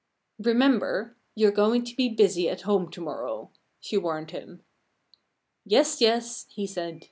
"Remember! You're going to be busy at home to morrow!" she warned him. "Yes! yes!" he said.